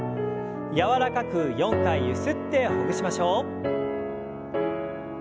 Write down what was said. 柔らかく４回ゆすってほぐしましょう。